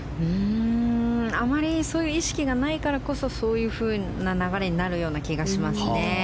あまりそういう意識がないからこそそういうふうな流れになるような気がしますね。